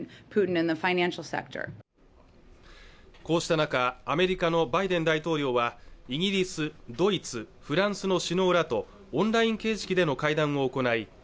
こうした中アメリカのバイデン大統領はイギリスドイツフランスの首脳らとオンライン形式での会談も行い